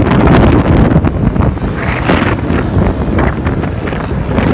เมื่อเวลาเกิดขึ้นมันกลายเป้าหมายเป้าหมาย